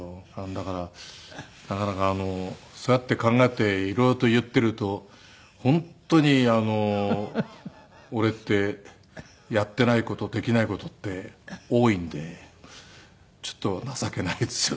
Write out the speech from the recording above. だからなかなかそうやって考えて色々と言っていると本当に俺ってやっていない事できない事って多いのでちょっと情けないですよね。